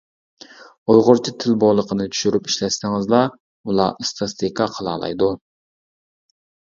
ئۇيغۇرچە تىل بولىقىنى چۈشۈرۈپ ئىشلەتسىڭىزلا، ئۇلار ئىستاتىستىكا قىلالايدۇ.